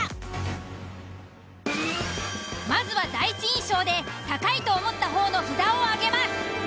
まずは第一印象で高いと思った方の札を挙げます。